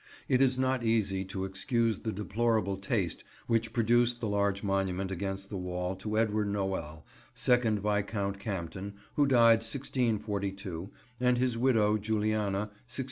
It is not easy to excuse the deplorable taste which produced the large monument against the wall to Edward Noel, 2nd Viscount Campden, who died 1642, and his widow, Juliana, 1680.